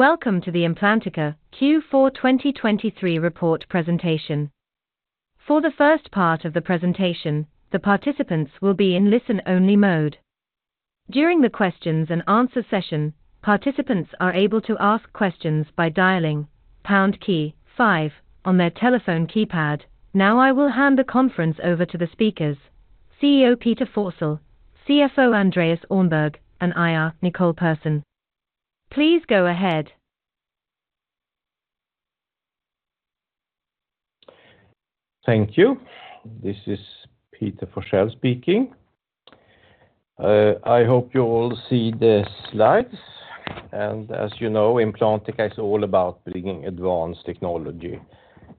Welcome to the Implantica Q4 2023 report presentation. For the first part of the presentation, the participants will be in listen-only mode. During the questions and answer session, participants are able to ask questions by dialing pound key five on their telephone keypad. Now, I will hand the conference over to the speakers, CEO Peter Forsell, CFO Andreas Öhrnberg, and IR Nicole Pehrsson. Please go ahead. Thank you. This is Peter Forsell speaking. I hope you all see the slides, and as you know, Implantica is all about bringing advanced technology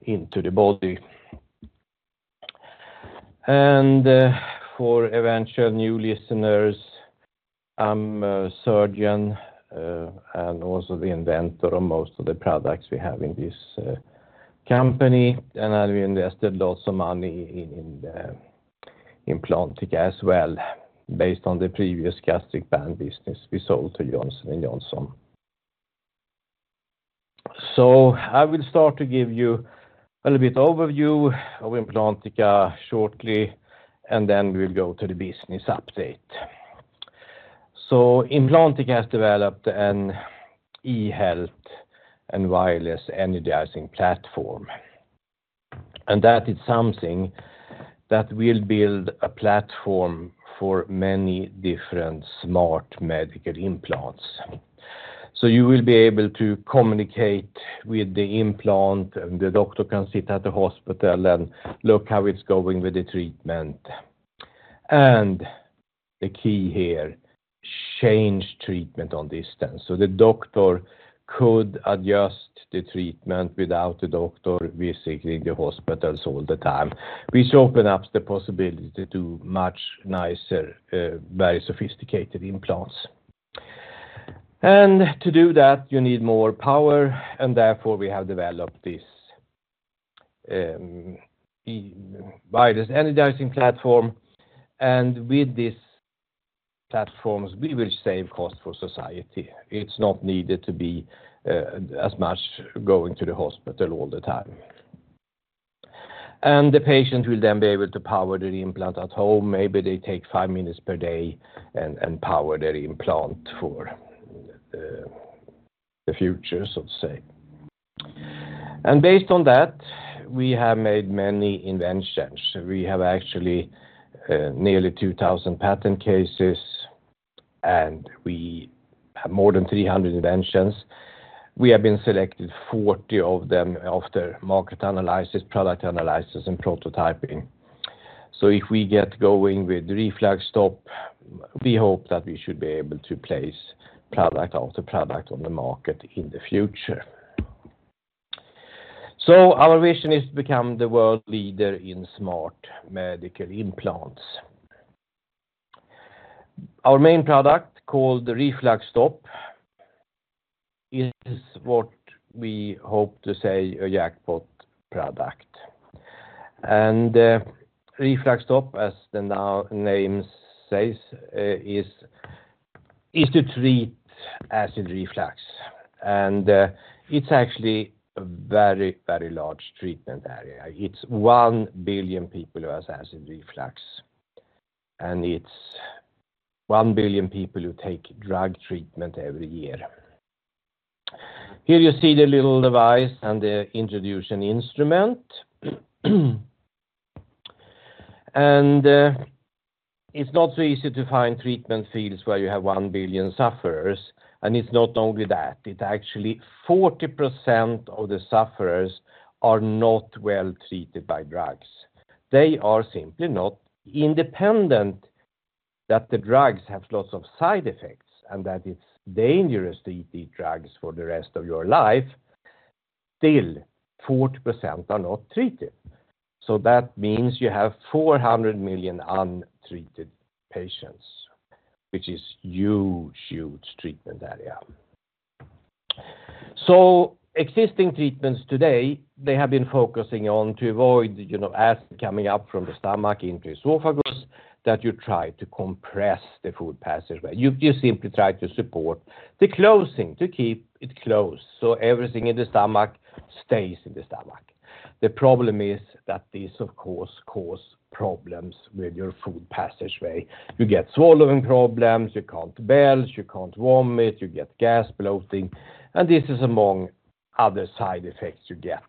into the body. And, for eventual new listeners, I'm a surgeon, and also the inventor of most of the products we have in this company. And I've invested lots of money in Implantica as well, based on the previous gastric band business we sold to Johnson & Johnson. So I will start to give you a little bit overview of Implantica shortly, and then we will go to the business update. So Implantica has developed an e-health and wireless energizing platform, and that is something that will build a platform for many different smart medical implants. So you will be able to communicate with the implant, and the doctor can sit at the hospital and look how it's going with the treatment. And the key here, change treatment on distance. So the doctor could adjust the treatment without the doctor visiting the hospitals all the time, which open up the possibility to much nicer, very sophisticated implants. And to do that, you need more power, and therefore, we have developed this e-wireless energizing platform. And with these platforms, we will save cost for society. It's not needed to be as much going to the hospital all the time. And the patient will then be able to power the implant at home. Maybe they take five minutes per day and power their implant for the future, so to say. And based on that, we have made many inventions. We have actually nearly 2,000 patent cases, and we have more than 300 inventions. We have selected 40 of them after market analysis, product analysis, and prototyping. So if we get going with RefluxStop, we hope that we should be able to place product after product on the market in the future. So our vision is to become the world leader in smart medical implants. Our main product, called RefluxStop, is what we hope to say a jackpot product. And RefluxStop, as the name says, is to treat acid reflux. And it's actually a very, very large treatment area. It's 1 billion people who has acid reflux, and it's 1 billion people who take drug treatment every year. Here you see the little device and the introduction instrument. It's not so easy to find treatment fields where you have 1 billion sufferers, and it's not only that, it's actually 40% of the sufferers are not well treated by drugs. They are simply not independent, that the drugs have lots of side effects, and that it's dangerous to eat these drugs for the rest of your life. Still, 40% are not treated. So that means you have 400 million untreated patients, which is huge, huge treatment area. So existing treatments today, they have been focusing on to avoid, you know, acid coming up from the stomach into esophagus, that you try to compress the food passageway. You simply try to support the closing, to keep it closed, so everything in the stomach stays in the stomach. The problem is that this, of course, cause problems with your food passageway. You get swallowing problems, you can't belch, you can't vomit, you get gas, bloating, and this is among other side effects you get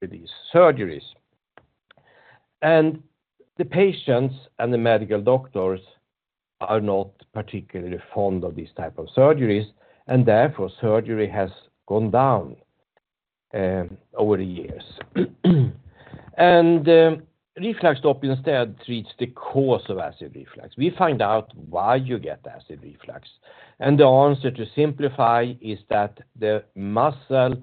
with these surgeries. The patients and the medical doctors are not particularly fond of these type of surgeries, and therefore, surgery has gone down over the years. RefluxStop instead treats the cause of acid reflux. We find out why you get acid reflux, and the answer, to simplify, is that the muscle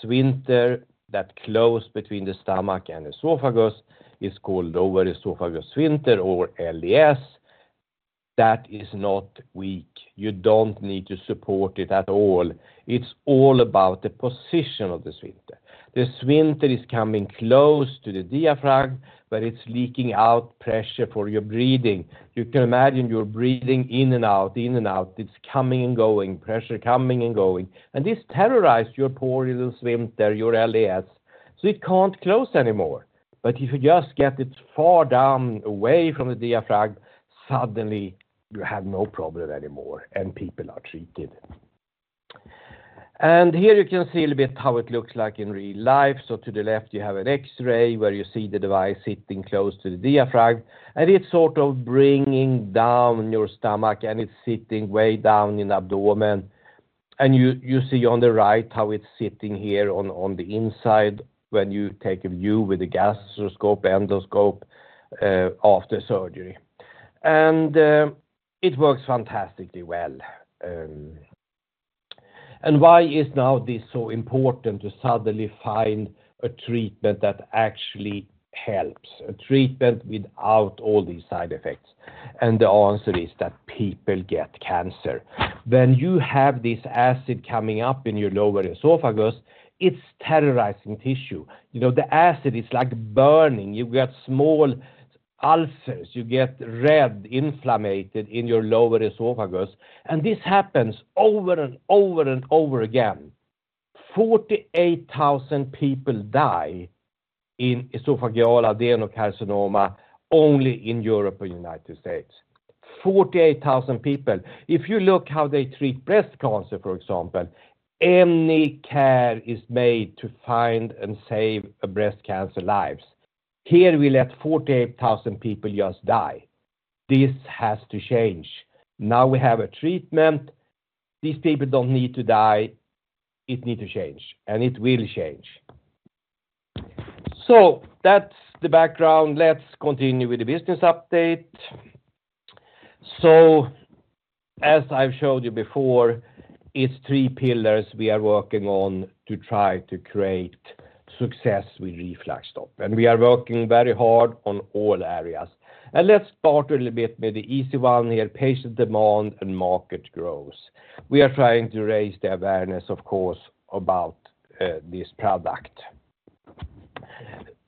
sphincter that close between the stomach and esophagus is called Lower Esophageal Sphincter or LES. That is not weak. You don't need to support it at all. It's all about the position of the sphincter. The sphincter is coming close to the diaphragm, but it's leaking out pressure for your breathing. You can imagine you're breathing in and out, in and out. It's coming and going, pressure coming and going, and this terrorize your poor little sphincter, your LES, so it can't close anymore. But if you just get it far down, away from the diaphragm, suddenly you have no problem anymore, and people are treated. And here you can see a little bit how it looks like in real life. So to the left, you have an X-ray, where you see the device sitting close to the diaphragm, and it's sort of bringing down your stomach, and it's sitting way down in abdomen. And you see on the right how it's sitting here on the inside when you take a view with a gastroscope, endoscope, after surgery. And it works fantastically well. And why is now this so important to suddenly find a treatment that actually helps, a treatment without all these side effects? The answer is that people get cancer. When you have this acid coming up in your lower esophagus, it's terrorizing tissue. You know, the acid is like burning. You get small ulcers, you get red, inflamed in your lower esophagus, and this happens over and over and over again. 48,000 people die in esophageal adenocarcinoma only in Europe and United States, 48,000 people. If you look how they treat breast cancer, for example, any care is made to find and save breast cancer lives. Here, we let 48,000 people just die. This has to change. Now we have a treatment. These people don't need to die. It need to change, and it will change. So that's the background. Let's continue with the business update. So as I've showed you before, it's three pillars we are working on to try to create success with RefluxStop, and we are working very hard on all areas. Let's start a little bit with the easy one here, patient demand and market growth. We are trying to raise the awareness, of course, about this product.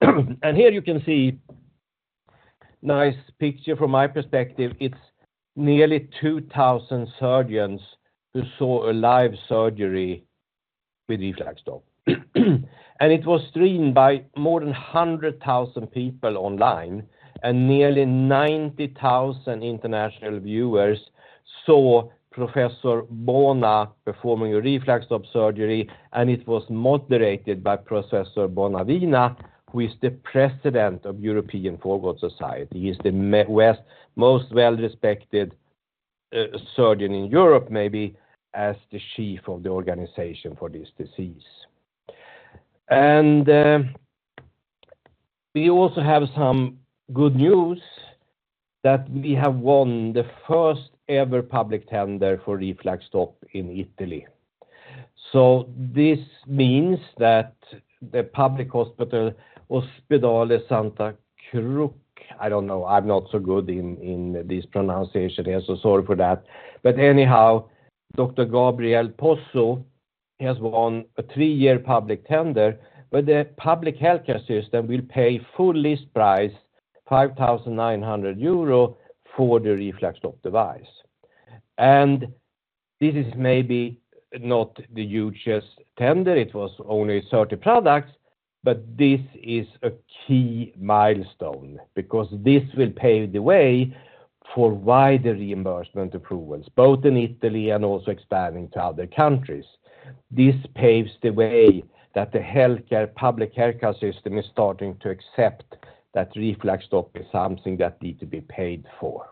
Here you can see nice picture from my perspective. It's nearly 2,000 surgeons who saw a live surgery with RefluxStop. And it was streamed by more than 100,000 people online, and nearly 90,000 international viewers saw Professor Bona performing a RefluxStop surgery, and it was moderated by Professor Bonavina, who is the president of European Foregut Society. He's the, well, most well-respected surgeon in Europe, maybe as the chief of the organization for this disease. We also have some good news that we have won the first-ever public tender for RefluxStop in Italy. So this means that the public hospital, Ospedale Santa Croce, I don't know, I'm not so good in this pronunciation, so sorry for that. But anyhow, Dr. Gabriele Pozzo has won a three-year public tender, where the public healthcare system will pay full list price, 5,900 euro, for the RefluxStop device. And this is maybe not the hugest tender, it was only 30 products, but this is a key milestone because this will pave the way for wider reimbursement approvals, both in Italy and also expanding to other countries. This paves the way that the healthcare, public healthcare system is starting to accept that RefluxStop is something that need to be paid for.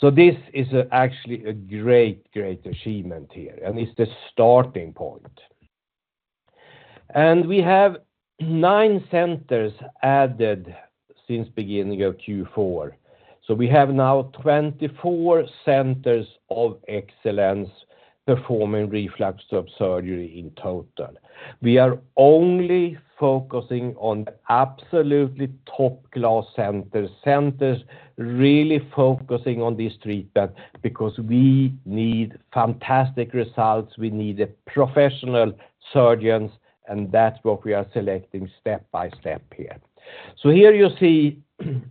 So this is actually a great, great achievement here, and it's the starting point. We have nine centers added since beginning of Q4. So we have now 24 centers of excellence performing RefluxStop surgery in total. We are only focusing on absolutely top-class centers, centers really focusing on this treatment because we need fantastic results. We need professional surgeons, and that's what we are selecting step by step here. So here you see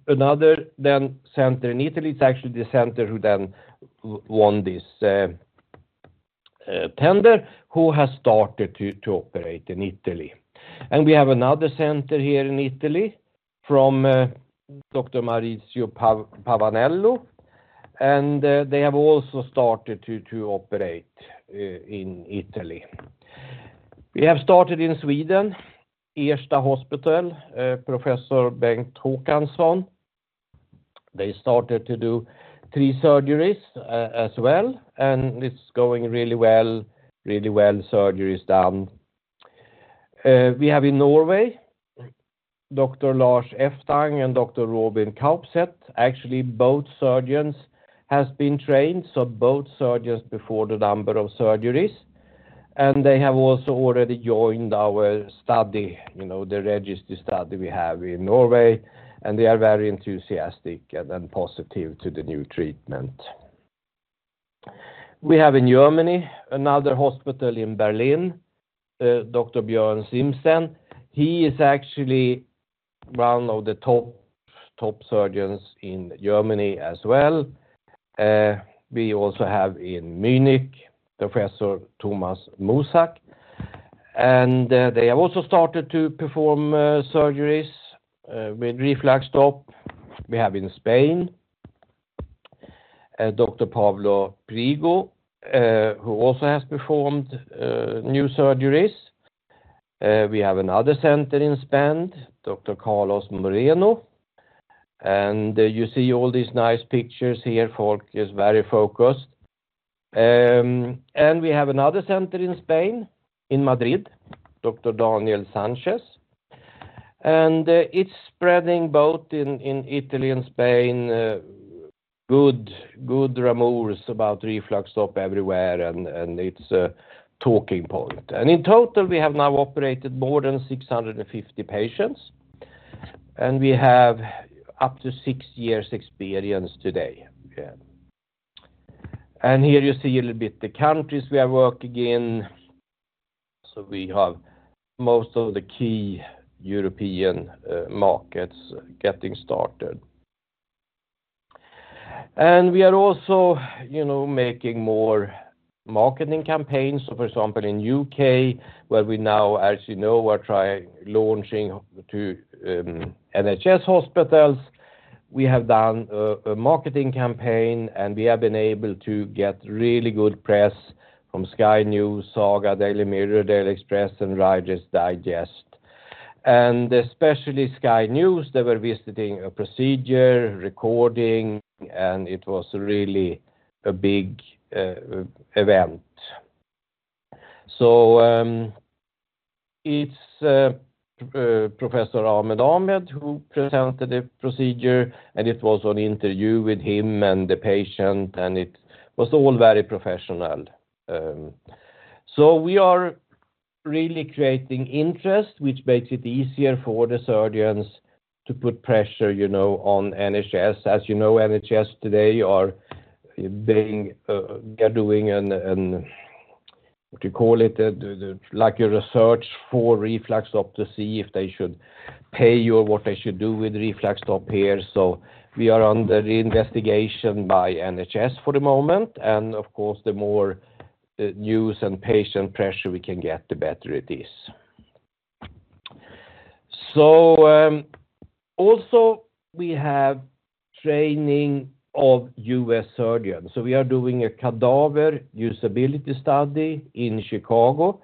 another then center in Italy. It's actually the center who then won this tender, who has started to operate in Italy. And we have another center here in Italy from Dr. Maurizio Pavanello, and they have also started to operate in Italy. We have started in Sweden, Ersta Hospital, Professor Bengt Håkanson. They started to do three surgeries, as well, and it's going really well, really well, surgeries done. We have in Norway, Dr. Lars Eftang and Dr. Robin Kaupset. Actually, both surgeons has been trained, so both surgeons performed a number of surgeries, and they have also already joined our study, you know, the registry study we have in Norway, and they are very enthusiastic and positive to the new treatment. We have in Germany, another hospital in Berlin, Dr. Bjorn Simsen. He is actually one of the top, top surgeons in Germany as well. We also have in Munich, Professor Thomas Mussack. And they have also started to perform surgeries with RefluxStop. We have in Spain, Dr. Pablo Priego, who also has performed new surgeries. We have another center in Spain, Dr. Carlos Moreno. You see all these nice pictures here, folks are very focused. We have another center in Spain, in Madrid, Dr. Daniel Sanchez. It's spreading both in Italy and Spain, good, good rumors about RefluxStop everywhere, and it's a talking point. In total, we have now operated more than 650 patients, and we have up to six years experience today. Yeah. Here you see a little bit the countries we are working in. So we have most of the key European markets getting started. We are also, you know, making more marketing campaigns. So for example, in the U.K., where we now, as you know, are trying launching to NHS hospitals. We have done a marketing campaign, and we have been able to get really good press from Sky News, Saga, Daily Mirror, Daily Express, and Reader's Digest. And especially Sky News, they were visiting a procedure, recording, and it was really a big event. So, it's Professor Ahmed Ahmed, who presented the procedure, and it was an interview with him and the patient, and it was all very professional. So we are really creating interest, which makes it easier for the surgeons to put pressure, you know, on NHS. As you know, NHS today are being, they're doing what you call it, like a research for RefluxStop to see if they should pay you or what they should do with RefluxStop here. So we are under investigation by NHS for the moment, and of course, the more, news and patient pressure we can get, the better it is. So, also we have training of U.S. surgeons. So we are doing a cadaver usability study in Chicago.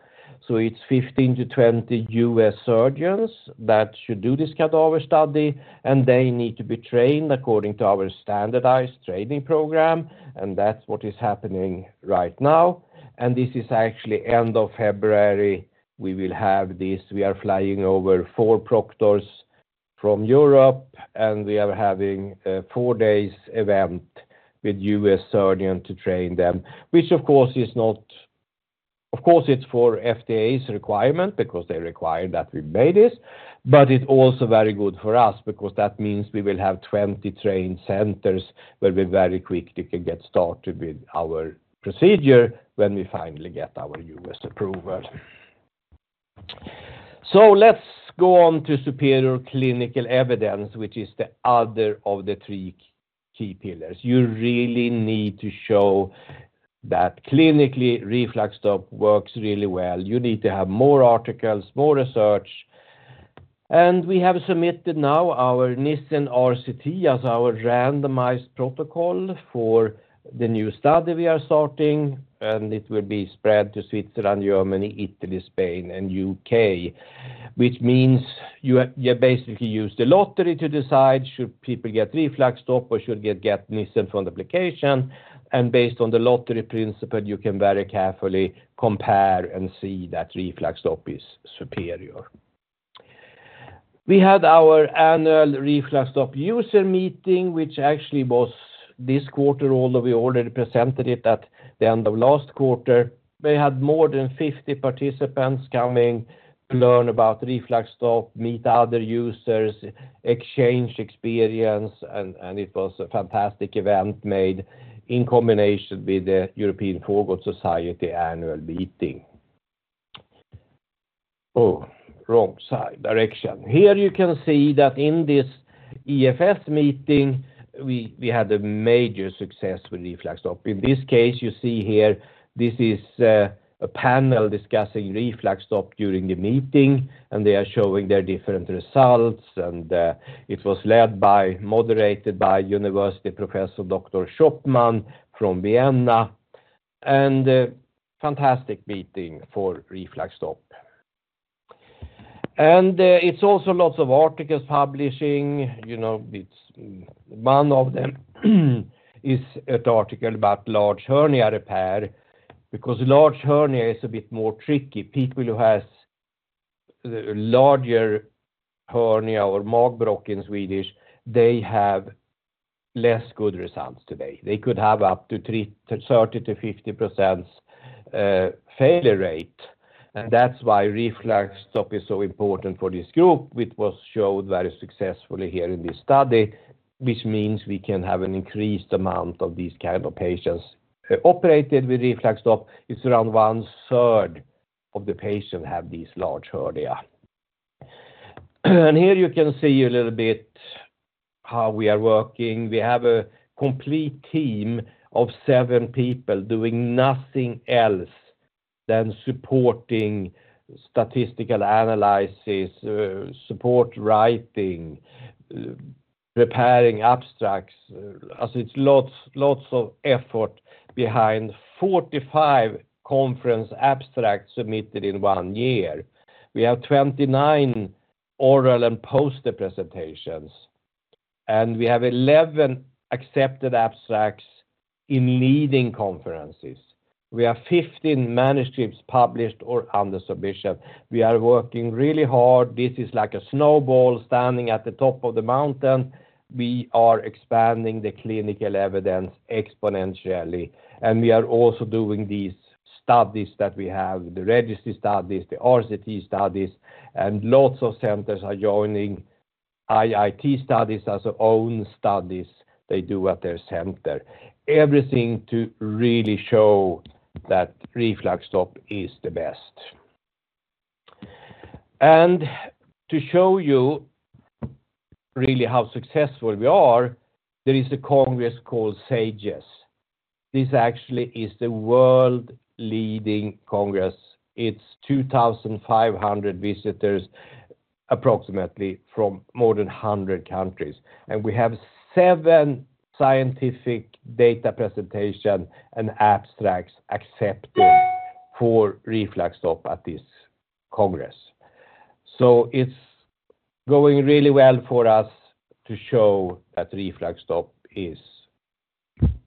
So it's 15-20 U.S. surgeons that should do this cadaver study, and they need to be trained according to our standardized training program, and that's what is happening right now. And this is actually end of February, we will have this. We are flying over four proctors from Europe, and we are having a four-day event with U.S. surgeons to train them, which of course, it's for FDA's requirement because they require that we made it, but it's also very good for us because that means we will have 20 trained centers, where we very quickly can get started with our procedure when we finally get our U.S. approval. So let's go on to superior clinical evidence, which is the other of the three key pillars. You really need to show that clinically, RefluxStop works really well. You need to have more articles, more research. We have submitted now our Nissen RCT as our randomized protocol for the new study we are starting, and it will be spread to Switzerland, Germany, Italy, Spain, and U.K. Which means you basically use the lottery to decide should people get RefluxStop or should they get Nissen fundoplication. And based on the lottery principle, you can very carefully compare and see that RefluxStop is superior. We had our annual RefluxStop user meeting, which actually was this quarter, although we already presented it at the end of last quarter. We had more than 50 participants coming to learn about RefluxStop, meet other users, exchange experience, and it was a fantastic event made in combination with the European Foregut Society annual meeting. Oh, wrong side, direction. Here you can see that in this EFS meeting, we had a major success with RefluxStop. In this case, you see here, this is a panel discussing RefluxStop during the meeting, and they are showing their different results. And it was led by, moderated by university professor, Dr. Schoppmann from Vienna, and a fantastic meeting for RefluxStop. And, it's also lots of articles publishing, you know, it's one of them is an article about large hernia repair, because large hernia is a bit more tricky. People who has larger hernia or magbråck in Swedish, they have less good results today. They could have up to 30%-50% failure rate, and that's why RefluxStop is so important for this group, which was showed very successfully here in this study, which means we can have an increased amount of these kind of patients. Operated with RefluxStop, it's around one third of the patients have these large hernia. And here you can see a little bit how we are working. We have a complete team of seven people doing nothing else than supporting statistical analysis, support writing, preparing abstracts. As it's lots, lots of effort behind 45 conference abstracts submitted in one year. We have 29 oral and poster presentations, and we have 11 accepted abstracts in leading conferences. We have 15 manuscripts published or under submission. We are working really hard. This is like a snowball standing at the top of the mountain. We are expanding the clinical evidence exponentially, and we are also doing these studies that we have, the registry studies, the RCT studies, and lots of centers are joining IIT studies as their own studies they do at their center. Everything to really show that RefluxStop is the best. And to show you really how successful we are, there is a congress called SAGES. This actually is the world leading congress. It's 2,500 visitors, approximately from more than 100 countries, and we have seven scientific data presentation and abstracts accepted for RefluxStop at this congress. So it's going really well for us to show that RefluxStop is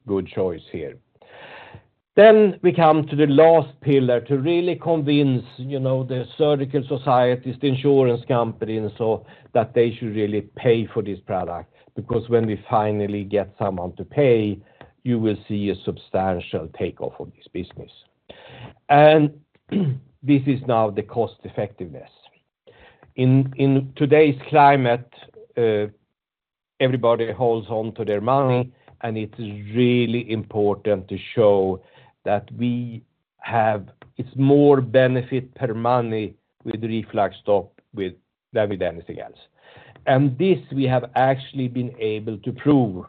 good choice here. Then we come to the last pillar to really convince, you know, the surgical societies, the insurance companies, so that they should really pay for this product, because when we finally get someone to pay, you will see a substantial takeoff of this business. And this is now the cost effectiveness. In today's climate, everybody holds on to their money, and it is really important to show that we have, it's more benefit per money with RefluxStop with, than with anything else. And this we have actually been able to prove.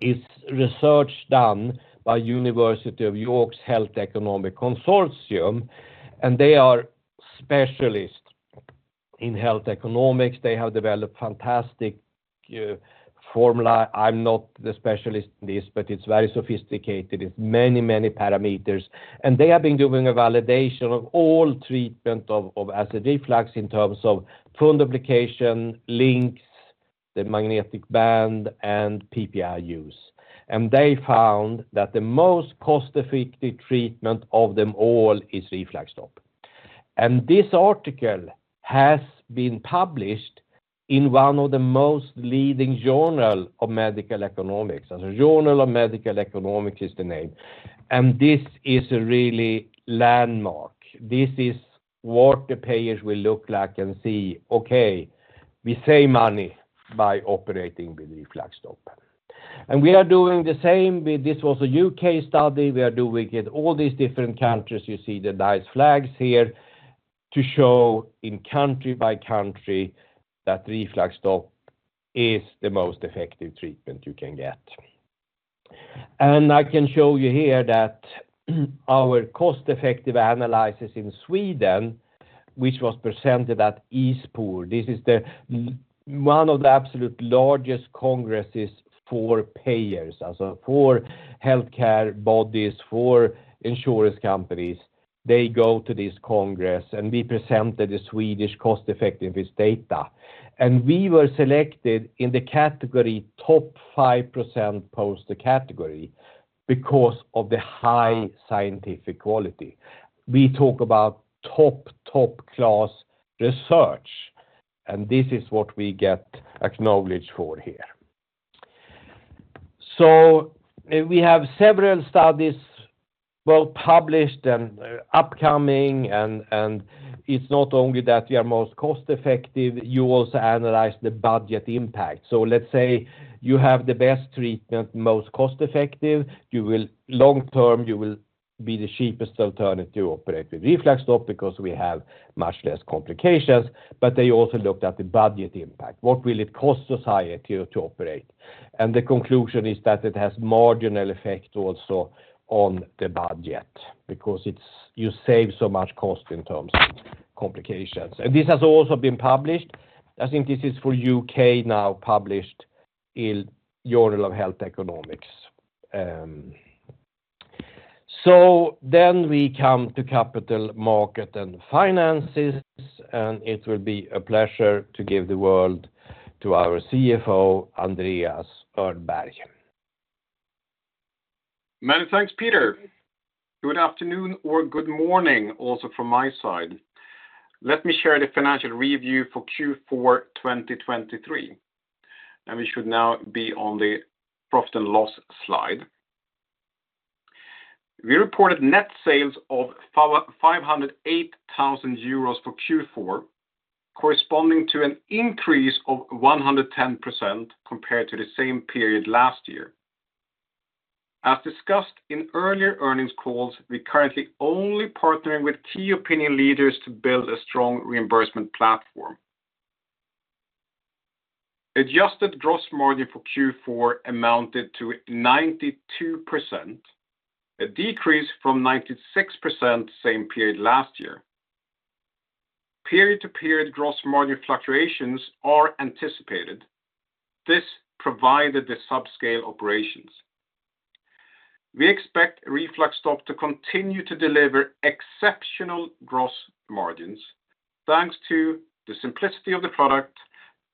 It's research done by University of York's Health Economic Consortium, and they are specialists in health economics. They have developed fantastic formula. I'm not the specialist in this, but it's very sophisticated. It's many, many parameters, and they have been doing a validation of all treatment of acid reflux in terms of fundoplication, LINX, the magnetic band, and PPI use. They found that the most cost-effective treatment of them all is RefluxStop. This article has been published in one of the most leading journal of medical economics. The Journal of Medical Economics is the name, and this is a really landmark. This is what the payers will look like and see, okay, we save money by operating with RefluxStop. We are doing the same with this. This was a UK study. We are doing it in all these different countries. You see the nice flags here to show in country by country that RefluxStop is the most effective treatment you can get. And I can show you here that our cost-effective analysis in Sweden, which was presented at ISPOR. This is one of the absolute largest congresses for payers, as for healthcare bodies, for insurance companies. They go to this congress, and we presented the Swedish cost-effectiveness data. And we were selected in the category top 5% poster category because of the high scientific quality. We talk about top, top class research, and this is what we get acknowledged for here. So we have several studies, well published and upcoming, and it's not only that we are most cost effective, you also analyze the budget impact. So let's say you have the best treatment, most cost effective, you will long term, you will be the cheapest alternative to operate with RefluxStop because we have much less complications, but they also looked at the budget impact. What will it cost society to operate? And the conclusion is that it has marginal effect also on the budget, because it's, you save so much cost in terms of complications. And this has also been published. I think this is for UK now published in Journal of Health Economics. So then we come to capital market and finances, and it will be a pleasure to give the world to our CFO, Andreas Öhrnberg. Many thanks, Peter. Good afternoon or good morning, also from my side. Let me share the financial review for Q4 2023. We should now be on the profit and loss slide. We reported net sales of 508,000 euros for Q4, corresponding to an increase of 110% compared to the same period last year. As discussed in earlier earnings calls, we're currently only partnering with key opinion leaders to build a strong reimbursement platform. Adjusted gross margin for Q4 amounted to 92%, a decrease from 96% same period last year. Period-to-period gross margin fluctuations are anticipated. This provided the subscale operations. We expect RefluxStop to continue to deliver exceptional gross margins, thanks to the simplicity of the product,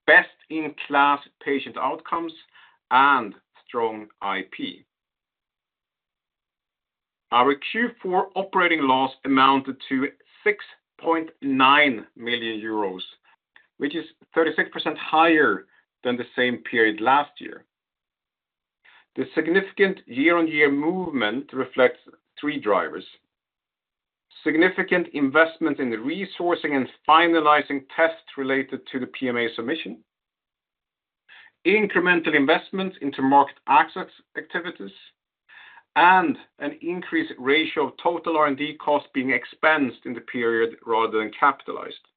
best-in-class patient outcomes, and strong IP. Our Q4 operating loss amounted to 6.9 million euros, which is 36% higher than the same period last year. The significant year-on-year movement reflects three drivers: significant investment in the resourcing and finalizing tests related to the PMA submission, incremental investments into market access activities, and an increased ratio of total R&D costs being expensed in the period rather than capitalized.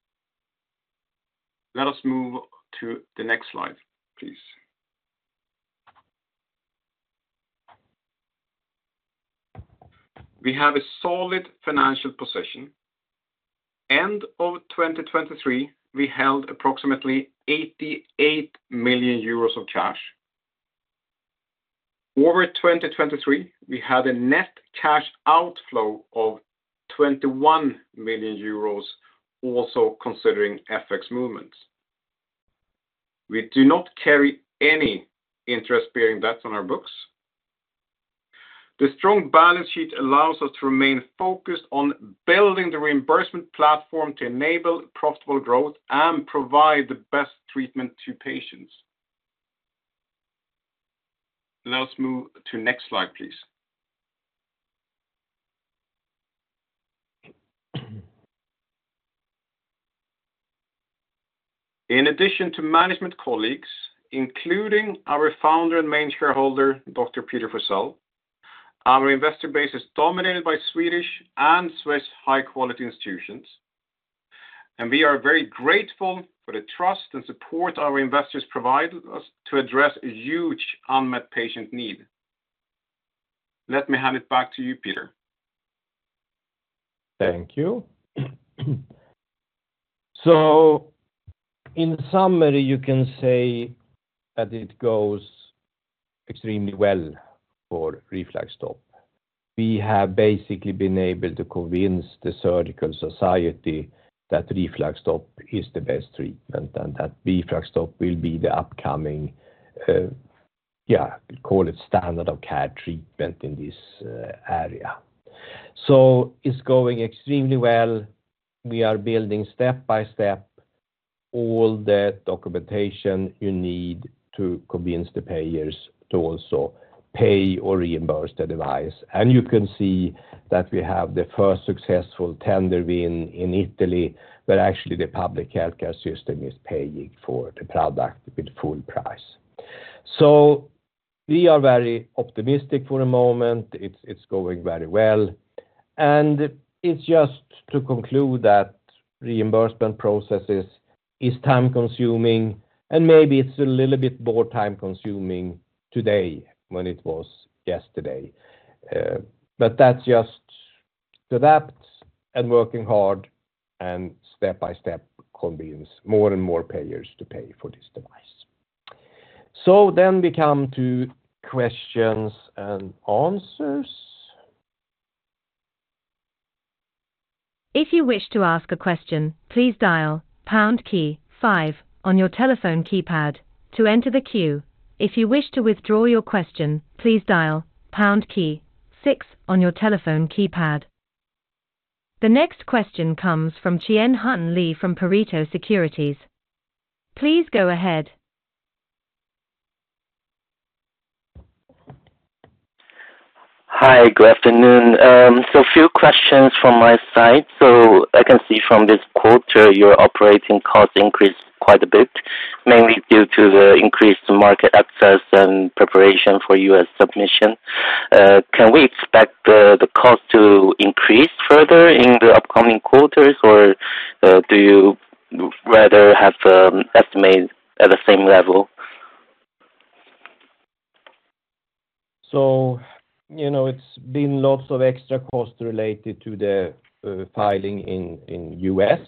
Let us move to the next slide, please. We have a solid financial position. End of 2023, we held approximately 88 million euros of cash. Over 2023, we had a net cash outflow of 21 million euros, also considering FX movements. We do not carry any interest-bearing debts on our books. The strong balance sheet allows us to remain focused on building the reimbursement platform to enable profitable growth and provide the best treatment to patients. Let's move to next slide, please. In addition to management colleagues, including our founder and main shareholder, Dr. Peter Forsell, our investor base is dominated by Swedish and Swiss high-quality institutions, and we are very grateful for the trust and support our investors provide us to address a huge unmet patient need. Let me hand it back to you, Peter. Thank you. So in summary, you can say that it goes extremely well for RefluxStop. We have basically been able to convince the surgical society that RefluxStop is the best treatment, and that RefluxStop will be the upcoming, call it standard of care treatment in this area. So it's going extremely well. We are building step by step all the documentation you need to convince the payers to also pay or reimburse the device. And you can see that we have the first successful tender win in Italy, where actually the public healthcare system is paying for the product with full price. So we are very optimistic for the moment. It's, it's going very well, and it's just to conclude that reimbursement processes is time-consuming, and maybe it's a little bit more time-consuming today than it was yesterday. That's just to that, and working hard and step by step convince more and more payers to pay for this device. Then we come to questions and answers. If you wish to ask a question, please dial pound key five on your telephone keypad to enter the queue. If you wish to withdraw your question, please dial pound key six on your telephone keypad. The next question comes from Chien-Hsun Lee from Pareto Securities. Please go ahead. Hi, good afternoon. So a few questions from my side. So I can see from this quarter, your operating costs increased quite a bit, mainly due to the increased market access and preparation for U.S. submission. Can we expect the cost to increase further in the upcoming quarters, or do you rather have estimate at the same level? So, you know it's been lots of extra costs related to the filing in U.S.,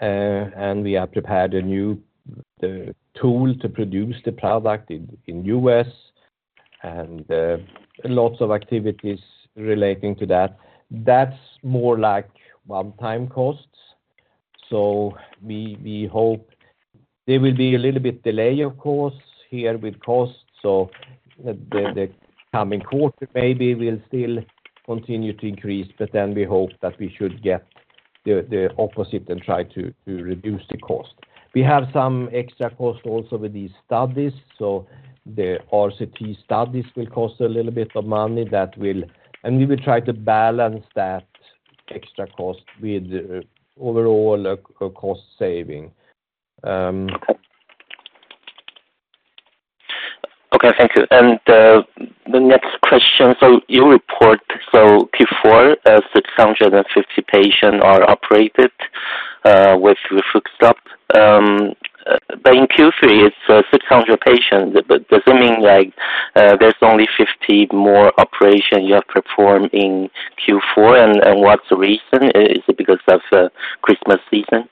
and we have prepared a new tool to produce the product in U.S., and lots of activities relating to that. That's more like one-time costs. So we hope there will be a little bit delay, of course, here with costs. So the coming quarter, maybe we'll still continue to increase, but then we hope that we should get the opposite and try to reduce the cost. We have some extra cost also with these studies, so the RCT studies will cost a little bit of money that will and we will try to balance that extra cost with overall cost saving. Okay, thank you. And, the next question. So you report, so Q4, 650 patient are operated with RefluxStop. But in Q3, it's 600 patients. But does it mean like, there's only 50 more operation you have performed in Q4, and what's the reason? Is it because of Christmas season?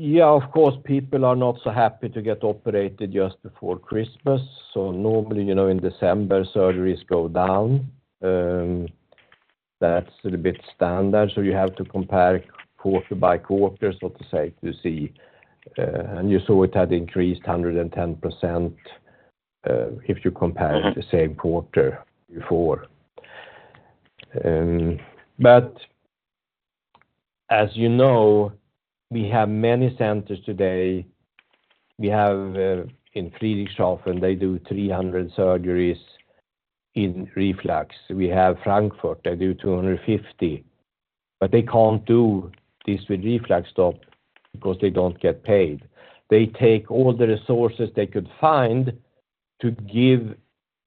Yeah, of course, people are not so happy to get operated just before Christmas. So normally, you know, in December, surgeries go down. That's a little bit standard, so you have to compare quarter by quarter, so to say, to see. And you saw it had increased 110%, if you compare it to the same quarter before. But as you know, we have many centers today. We have in Friedrichshafen, they do 300 surgeries in reflux. We have Frankfurt, they do 250. But they can't do this with RefluxStop because they don't get paid. They take all the resources they could find to give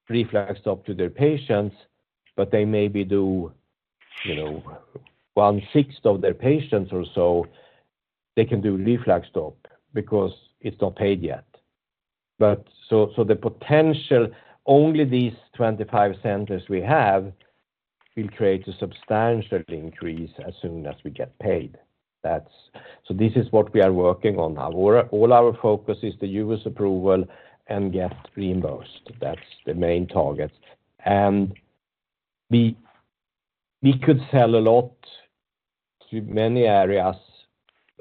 RefluxStop to their patients, but they maybe do, you know, 1/6 of their patients or so. They can do RefluxStop because it's not paid yet. The potential, only these 25 centers we have, will create a substantial increase as soon as we get paid. That's- so this is what we are working on now. All our, all our focus is the US approval and get reimbursed. That's the main target. We could sell a lot to many areas,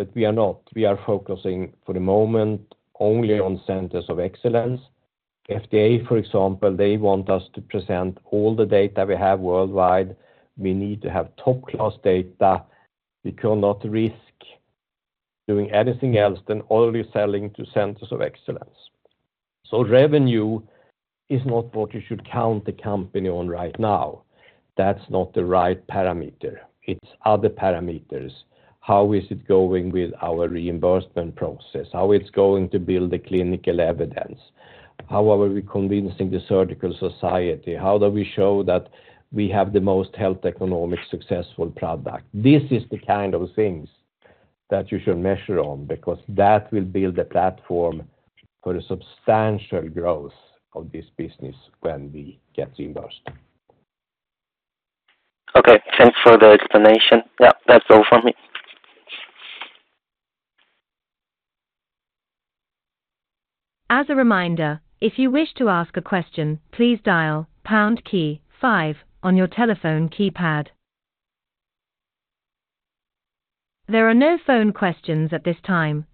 but we are not. We are focusing for the moment only on centers of excellence. FDA, for example, they want us to present all the data we have worldwide. We need to have top-class data. We cannot risk doing anything else than only selling to centers of excellence. Revenue is not what you should count the company on right now. That's not the right parameter. It's other parameters. How is it going with our reimbursement process? How it's going to build the clinical evidence? How are we convincing the surgical society? How do we show that we have the most health economic successful product? This is the kind of things that you should measure on because that will build a platform for a substantial growth of this business when we get reimbursed. Okay, thanks for the explanation. Yeah, that's all from me. As a reminder, if you wish to ask a question, please dial pound key five on your telephone keypad. There are no phone questions at this time,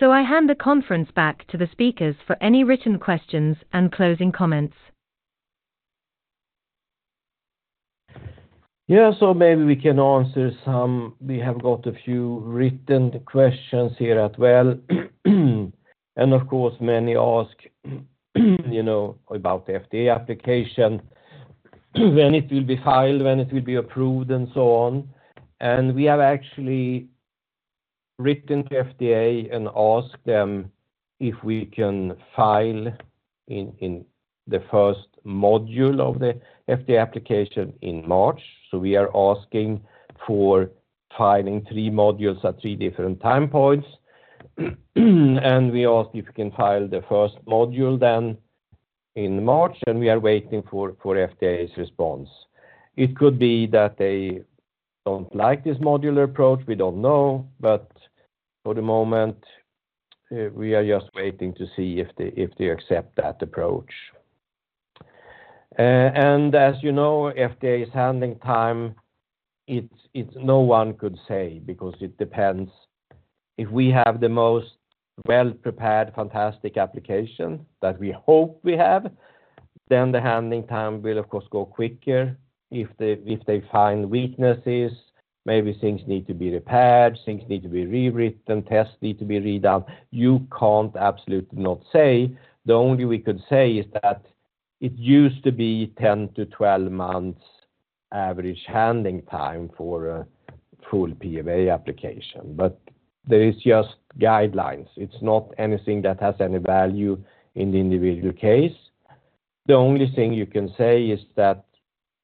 so I hand the conference back to the speakers for any written questions and closing comments. Yeah, so maybe we can answer some. We have got a few written questions here as well. And of course, many ask, you know, about the FDA application, when it will be filed, when it will be approved, and so on. And we have actually written to FDA and asked them if we can file in the first module of the FDA application in March. So we are asking for filing three modules at three different time points. And we asked if we can file the first module then in March, and we are waiting for FDA's response. It could be that they don't like this modular approach. We don't know, but for the moment, we are just waiting to see if they accept that approach. And as you know, FDA's handling time, it's no one could say because it depends. If we have the most well prepared, fantastic application that we hope we have, then the handling time will, of course, go quicker. If they, if they find weaknesses, maybe things need to be repaired, things need to be rewritten, tests need to be redone. You can't absolutely not say. The only thing we could say is that it used to be 10-12 months average handling time for a full PMA application, but there is just guidelines. It's not anything that has any value in the individual case. The only thing you can say is that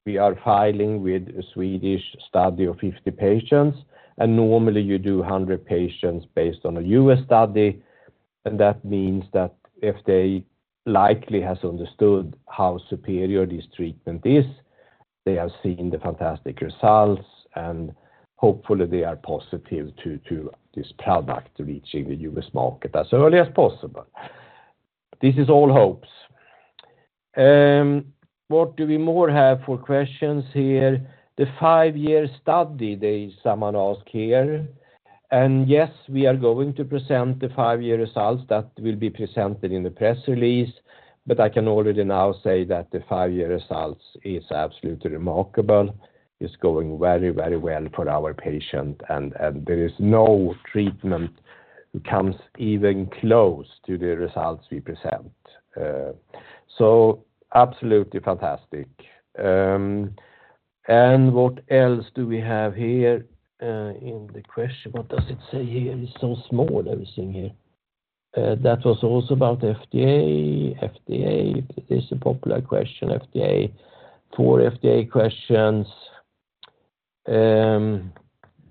we are filing with a Swedish study of 50 patients, and normally, you do 100 patients based on a U.S. study. That means that if they likely has understood how superior this treatment is, they have seen the fantastic results, and hopefully, they are positive to, to this product reaching the U.S. market as early as possible. This is all hopes. What do we more have for questions here? The 5-year study, there is someone ask here. Yes, we are going to present the 5-year results that will be presented in the press release, but I can already now say that the 5-year results is absolutely remarkable. It's going very, very well for our patient, and, and there is no treatment that comes even close to the results we present. So absolutely fantastic. And what else do we have here, in the question? What does it say here? It's so small, everything here. That was also about FDA. FDA, it is a popular question, FDA. Four FDA questions.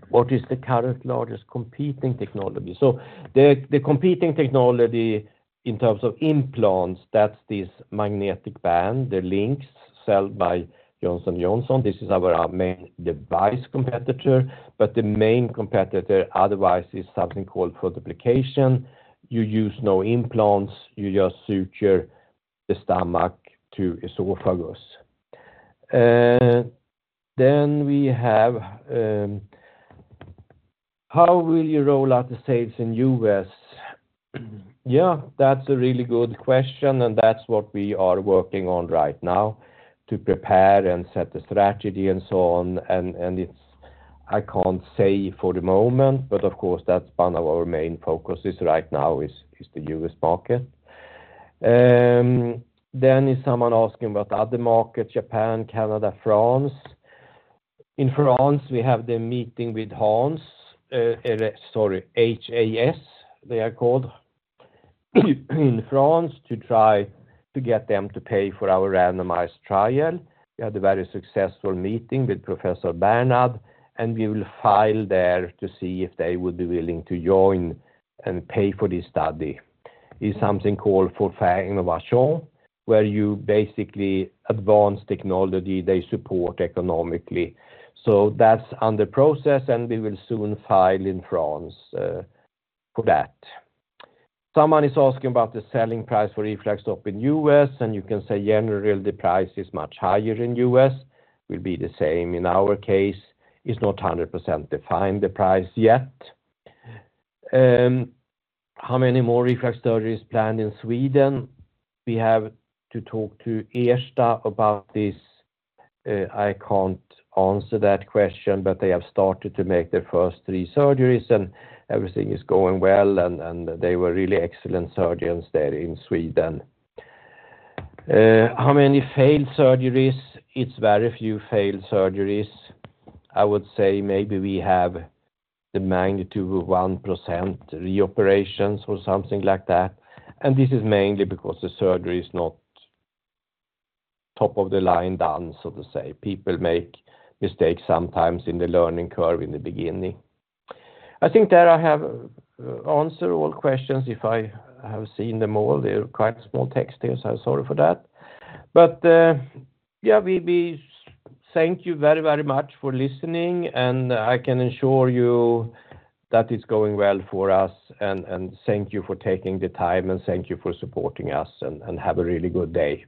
What is the current largest competing technology? So the competing technology in terms of implants, that's this magnetic band, the LINX sold by Johnson & Johnson. This is our main device competitor, but the main competitor otherwise is something called fundoplication. You use no implants, you just suture the stomach to esophagus. Then we have, how will you roll out the sales in U.S.? Yeah, that's a really good question, and that's what we are working on right now, to prepare and set the strategy and so on. And it's, I can't say for the moment, but of course, that's one of our main focuses right now, is the U.S. market. Then is someone asking about other markets, Japan, Canada, France. In France, we have the meeting with HAS, sorry, HAS, they are called, in France, to try to get them to pay for our randomized trial. We had a very successful meeting with Professor Bernard, and we will file there to see if they would be willing to join and pay for this study. Is something called for innovation, where you basically advance technology they support economically. So that's on the process, and we will soon file in France, for that. Someone is asking about the selling price for RefluxStop in U.S., and you can say generally, the price is much higher in U.S. Will be the same in our case. It's not 100% defined, the price yet. How many more RefluxStop surgeries planned in Sweden? We have to talk to Ersta about this. I can't answer that question, but they have started to make their first three surgeries, and everything is going well, and they were really excellent surgeons there in Sweden. How many failed surgeries? It's very few failed surgeries. I would say maybe we have the magnitude of 1% reoperations or something like that, and this is mainly because the surgery is not top of the line done, so to say. People make mistakes sometimes in the learning curve in the beginning. I think that I have answered all questions, if I have seen them all. They're quite small text here, so sorry for that. But, yeah, we, we thank you very, very much for listening, and I can assure you that it's going well for us, and, and thank you for taking the time, and thank you for supporting us, and, and have a really good day.